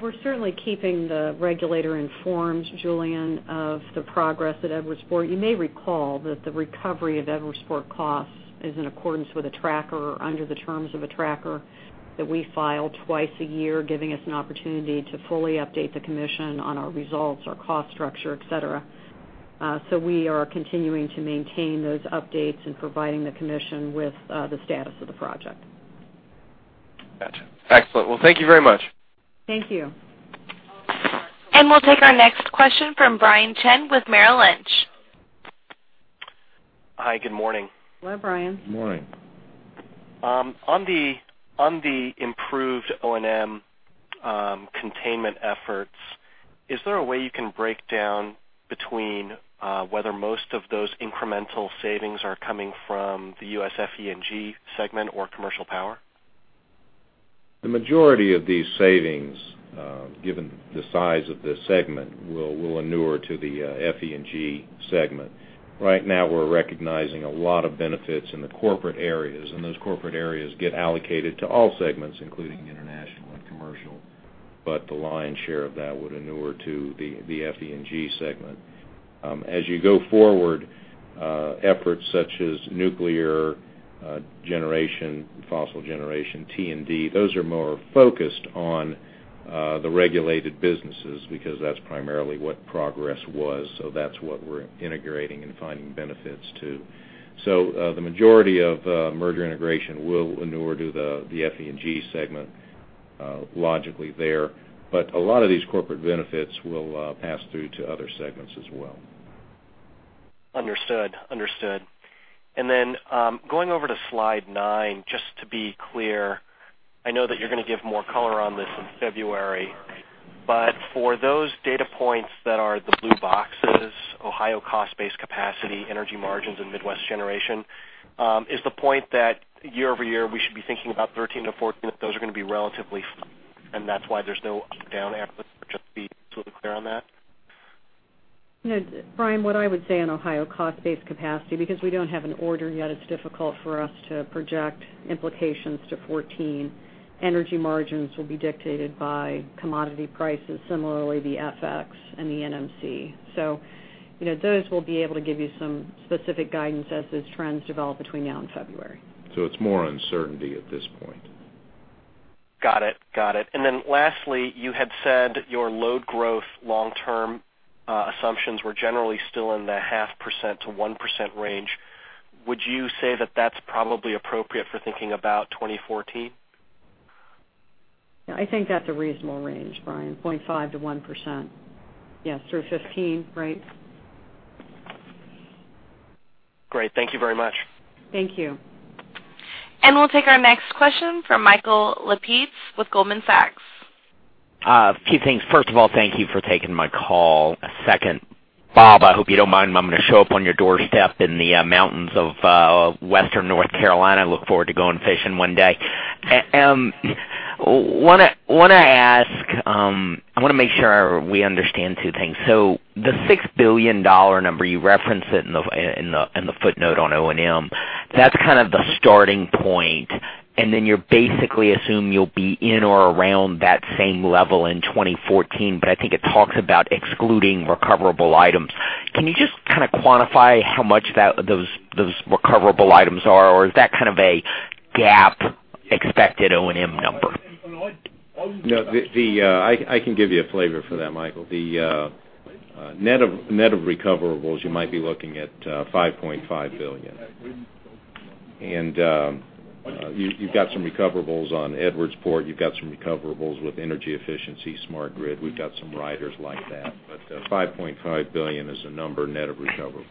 We're certainly keeping the regulator informed, Julien, of the progress at Edwardsport. You may recall that the recovery of Edwardsport costs is in accordance with a tracker under the terms of a tracker that we file twice a year, giving us an opportunity to fully update the commission on our results, our cost structure, et cetera. We are continuing to maintain those updates and providing the commission with the status of the project. Gotcha. Excellent. Thank you very much. Thank you. We'll take our next question from Brian Chin with Merrill Lynch. Hi, good morning. Hello, Brian. Morning. On the improved O&M containment efforts, is there a way you can break down between whether most of those incremental savings are coming from the U.S. FE&G segment or commercial power? The majority of these savings, given the size of this segment, will inure to the FE&G segment. Right now, we're recognizing a lot of benefits in the corporate areas, and those corporate areas get allocated to all segments, including international and commercial. The lion's share of that would inure to the FE&G segment. As you go forward, efforts such as nuclear generation, fossil generation, T&D, those are more focused on the regulated businesses because that's primarily what Progress Energy was. That's what we're integrating and finding benefits to. The majority of merger integration will inure to the FE&G segment, logically there. A lot of these corporate benefits will pass through to other segments as well. Understood. Then, going over to slide nine, just to be clear, I know that you're going to give more color on this in February, but for those data points that are the blue boxes, Ohio cost-based capacity, energy margins, and Midwest generation, is the point that year-over-year, we should be thinking about 2013-2014, that those are going to be relatively flat, and that's why there's no up and down arrows? Just to be crystal clear on that. Brian, what I would say on Ohio cost-based capacity, because we don't have an order yet, it's difficult for us to project implications to 2014. Energy margins will be dictated by commodity prices, similarly the FX and the NMC. Those we'll be able to give you some specific guidance as those trends develop between now and February. It's more uncertainty at this point. Got it. Then lastly, you had said your load growth long-term assumptions were generally still in the half percent to 1% range. Would you say that that's probably appropriate for thinking about 2014? Yeah, I think that's a reasonable range, Brian, 0.5% to 1%. Yes, through 15, right? Great. Thank you very much. Thank you. We'll take our next question from Michael Lapides with Goldman Sachs. A few things. First of all, thank you for taking my call. Second, Bob, I hope you don't mind, I'm going to show up on your doorstep in the mountains of Western North Carolina. I look forward to going fishing one day. I want to make sure we understand two things. The $6 billion number, you reference it in the footnote on O&M. That's kind of the starting point, you basically assume you'll be in or around that same level in 2014. I think it talks about excluding recoverable items. Can you just kind of quantify how much those recoverable items are, or is that kind of a GAAP expected O&M number? I can give you a flavor for that, Michael. The net of recoverables, you might be looking at $5.5 billion. You've got some recoverables on Edwardsport. You've got some recoverables with energy efficiency, smart grid. We've got some riders like that. $5.5 billion is the number, net of recoverables.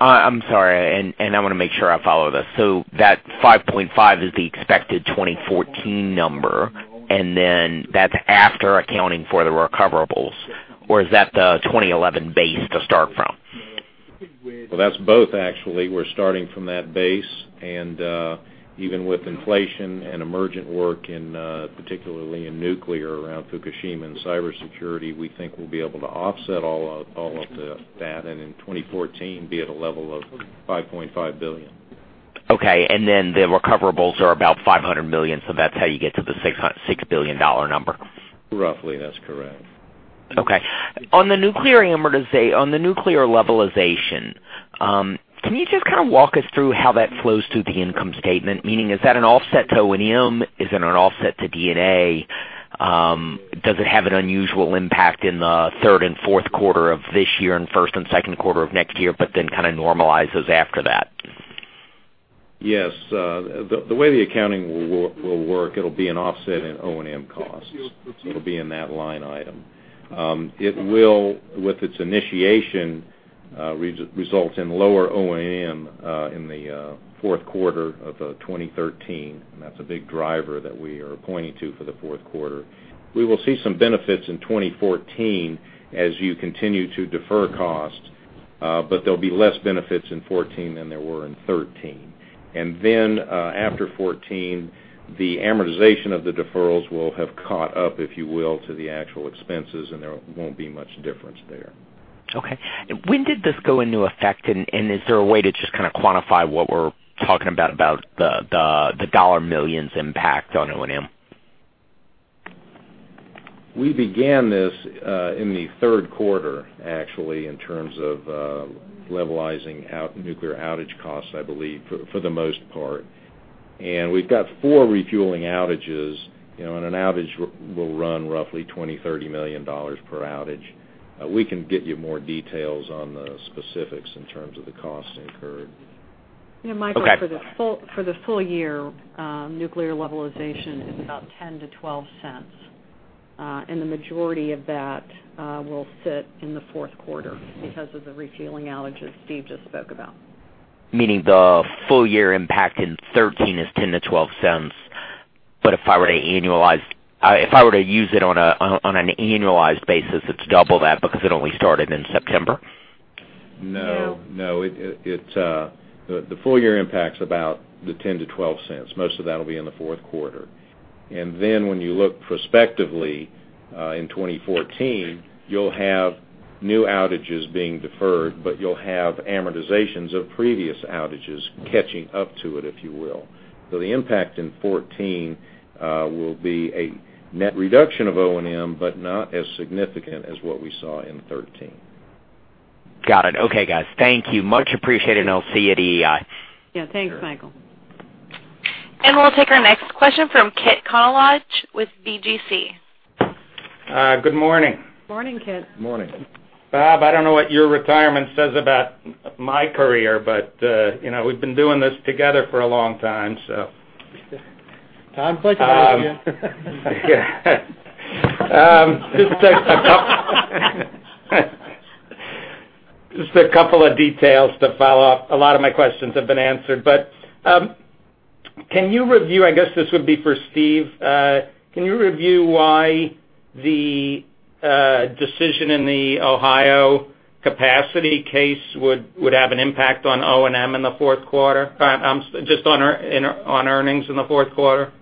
I'm sorry, I want to make sure I follow this. That $5.5 is the expected 2014 number, that's after accounting for the recoverables. Or is that the 2011 base to start from? Well, that's both, actually. We're starting from that base, even with inflation and emergent work in, particularly in nuclear around Fukushima and cybersecurity, we think we'll be able to offset all of that, in 2014, be at a level of $5.5 billion. Okay, then the recoverables are about $500 million, that's how you get to the $6 billion number. Roughly, that's correct. Okay. On the nuclear levelization, can you just kind of walk us through how that flows through the income statement? Meaning, is that an offset to O&M? Is it an offset to D&A? Does it have an unusual impact in the third and fourth quarter of this year and first and second quarter of next year, then kind of normalizes after that? Yes. The way the accounting will work, it'll be an offset in O&M costs. It'll be in that line item. It will, with its initiation, result in lower O&M in the fourth quarter of 2013. That's a big driver that we are pointing to for the fourth quarter. We will see some benefits in 2014 as you continue to defer costs There'll be less benefits in 2014 than there were in 2013. Then after 2014, the amortization of the deferrals will have caught up, if you will, to the actual expenses, and there won't be much difference there. Okay. When did this go into effect, and is there a way to just kind of quantify what we're talking about the dollar millions impact on O&M? We began this in the third quarter, actually, in terms of levelizing out nuclear outage costs, I believe, for the most part. We've got four refueling outages, and an outage will run roughly $20 million-$30 million per outage. We can get you more details on the specifics in terms of the costs incurred. Okay. Yeah, Michael, for the full year, nuclear levelization is about $0.10-$0.12. The majority of that will sit in the fourth quarter because of the refueling outages Steve just spoke about. Meaning the full-year impact in 2013 is $0.10-$0.12. If I were to use it on an annualized basis, it's double that because it only started in September? No. No. The full-year impact's about $0.10-$0.12. Most of that'll be in the fourth quarter. When you look prospectively in 2014, you'll have new outages being deferred, but you'll have amortizations of previous outages catching up to it, if you will. The impact in 2014 will be a net reduction of O&M, but not as significant as what we saw in 2013. Got it. Okay, guys. Thank you. Much appreciated, and I'll see you at EEI. Yeah, thanks, Michael. We'll take our next question from Kit Konolige with BGC. Good morning. Morning, Kit. Morning. Bob, I don't know what your retirement says about my career, but we've been doing this together for a long time. Time flies again. Just a couple of details to follow up. A lot of my questions have been answered. Can you review, I guess this would be for Steve, can you review why the decision in the Ohio capacity case would have an impact on O&M in the fourth quarter? Just on earnings in the fourth quarter.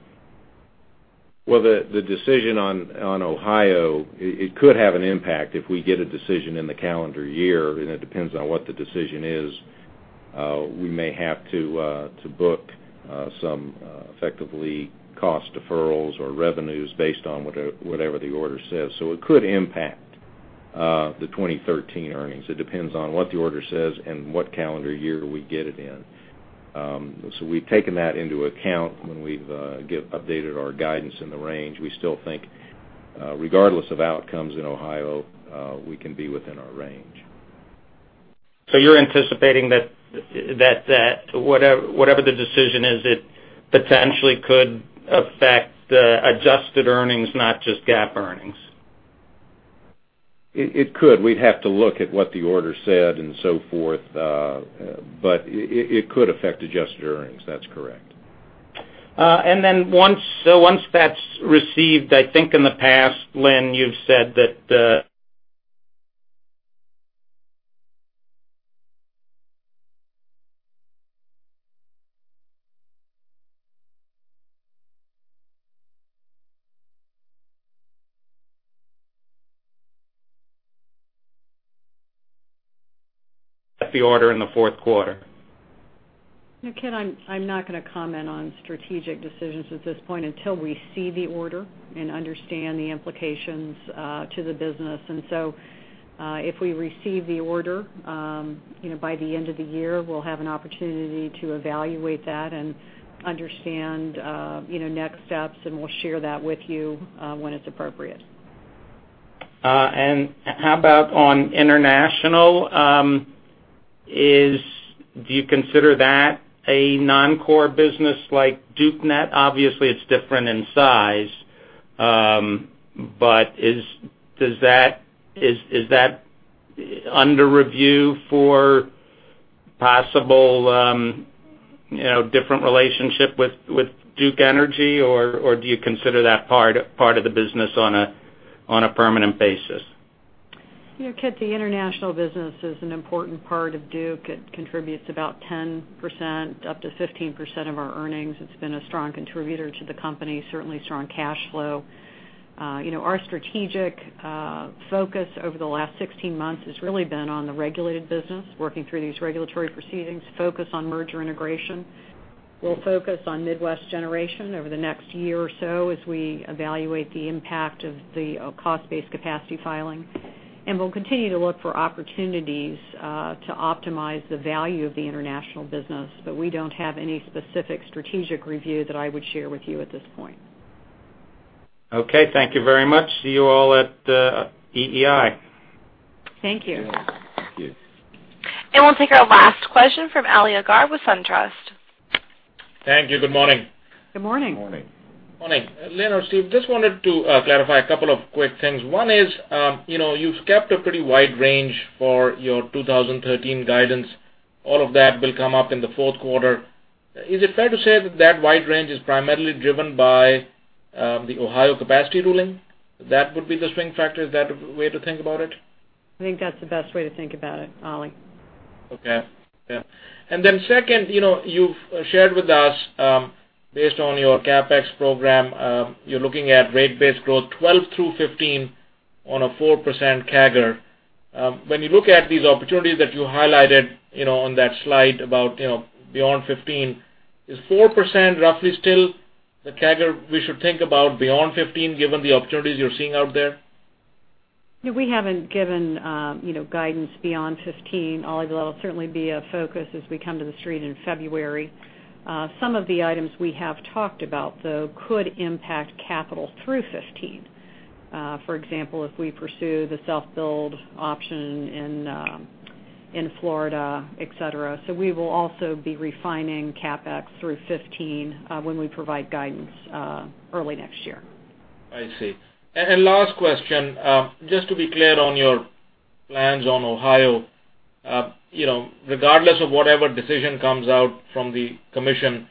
The decision on Ohio, it could have an impact if we get a decision in the calendar year, it depends on what the decision is. We may have to book some effectively cost deferrals or revenues based on whatever the order says. It could impact the 2013 earnings. It depends on what the order says and what calendar year we get it in. We've taken that into account when we've updated our guidance in the range. We still think, regardless of outcomes in Ohio, we can be within our range. You're anticipating that whatever the decision is, it potentially could affect adjusted earnings, not just GAAP earnings. It could. We'd have to look at what the order said and so forth. It could affect adjusted earnings. That's correct. Once that's received, I think in the past, Lynn, you've said that the order in the fourth quarter. Kit, I'm not going to comment on strategic decisions at this point until we see the order and understand the implications to the business. If we receive the order by the end of the year, we'll have an opportunity to evaluate that and understand next steps, and we'll share that with you when it's appropriate. How about on international? Do you consider that a non-core business like DukeNet? Obviously, it's different in size. Is that under review for possible different relationship with Duke Energy, or do you consider that part of the business on a permanent basis? Kit, the international business is an important part of Duke. It contributes about 10% up to 15% of our earnings. It's been a strong contributor to the company, certainly strong cash flow. Our strategic focus over the last 16 months has really been on the regulated business, working through these regulatory proceedings, focus on merger integration. We'll focus on Midwest generation over the next year or so as we evaluate the impact of the cost-based capacity filing. We'll continue to look for opportunities to optimize the value of the international business, but we don't have any specific strategic review that I would share with you at this point. Okay. Thank you very much. See you all at EEI. Thank you. Yeah. Thank you. We'll take our last question from Ali Agha with SunTrust. Thank you. Good morning. Good morning. Morning. Morning. Lynn or Steve, just wanted to clarify a couple of quick things. One is, you've kept a pretty wide range for your 2013 guidance. All of that will come up in the fourth quarter. Is it fair to say that that wide range is primarily driven by the Ohio capacity ruling? That would be the swing factor. Is that a way to think about it? I think that's the best way to think about it, Ali. Second, you've shared with us, based on your CapEx program, you're looking at rate base growth 2012 through 2015 on a 4% CAGR. When you look at these opportunities that you highlighted on that slide about beyond 2015, is 4% roughly still the CAGR we should think about beyond 2015, given the opportunities you're seeing out there? We haven't given guidance beyond 2015, Ali, but that'll certainly be a focus as we come to the street in February. Some of the items we have talked about, though, could impact capital through 2015. For example, if we pursue the self-build option in Florida, et cetera. We will also be refining CapEx through 2015 when we provide guidance early next year. I see. Last question. Just to be clear on your plans on Ohio. Regardless of whatever decision comes out from the commission,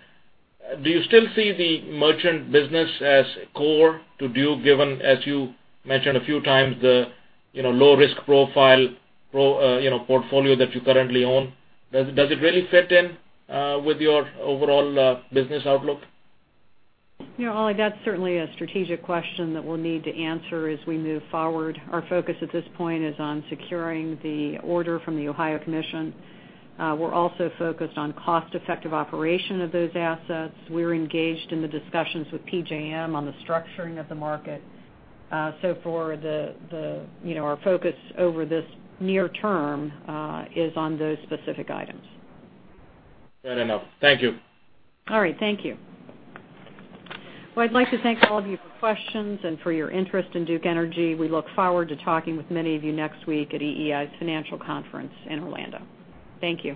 do you still see the merchant business as core to Duke, given, as you mentioned a few times, the low-risk profile portfolio that you currently own? Does it really fit in with your overall business outlook? Paul, that's certainly a strategic question that we'll need to answer as we move forward. Our focus at this point is on securing the order from the Ohio Commission. We're also focused on cost-effective operation of those assets. We're engaged in the discussions with PJM on the structuring of the market. Our focus over this near term is on those specific items. Fair enough. Thank you. All right. Thank you. Well, I'd like to thank all of you for questions and for your interest in Duke Energy. We look forward to talking with many of you next week at EEI's financial conference in Orlando. Thank you.